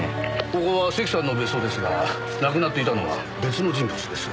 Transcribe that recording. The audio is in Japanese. ここは関さんの別荘ですが亡くなっていたのは別の人物です。